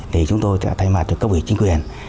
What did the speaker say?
thì chúng tôi đã thay mặt với cấp ủy chính quyền